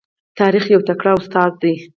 تاریخ یو تکړه استاد دی.